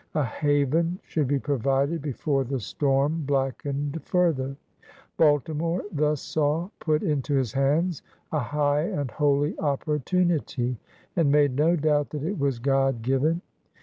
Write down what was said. A haven should be provided before the storm blackened further. Baltimore thus saw put into his hands a high and holy opportimity, and made no doubt that it was God given.